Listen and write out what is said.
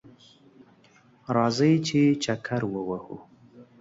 راځئ چه چکر ووهو